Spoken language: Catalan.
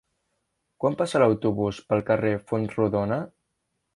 Quan passa l'autobús pel carrer Fontrodona?